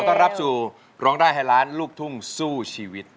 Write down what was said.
ต้อนรับสู่ร้องได้ให้ล้านลูกทุ่งสู้ชีวิต